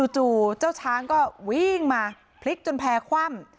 จู่เจ้าช้างก็วิ่งมาพลิกจนแพร่คว่ำ